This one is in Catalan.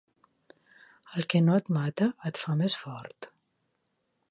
El que no et mata et fa més fort.